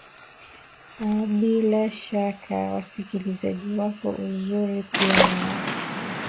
aa bila shaka wasikilizaji wako uzuri pia nawe